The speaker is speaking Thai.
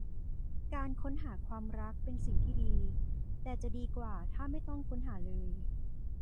การค้นหาความรักเป็นสิ่งที่ดี แต่จะดีกว่าถ้าไม่ต้องค้นหาเลย